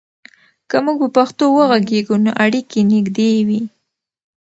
که موږ په پښتو وغږیږو، نو اړیکې نږدې وي.